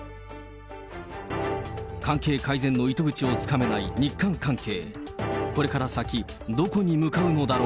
関係改善の糸口をつかめない日韓関係。